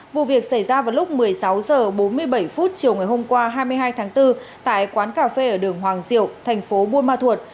vụ việc xảy ra vào lúc một mươi sáu h bốn mươi bảy chiều ngày hôm qua hai mươi hai tháng bốn tại quán cà phê ở đường hoàng diệu thành phố buôn ma thuột